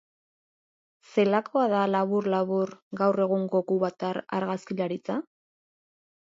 Zelakoa da, labur-labur, gaur egungo kubatar argazkilaritza?